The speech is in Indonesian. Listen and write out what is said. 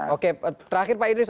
oke terakhir pak idris